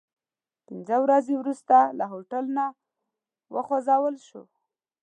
پنځه ورځې وروسته له هوټل نه وخوځول شوو.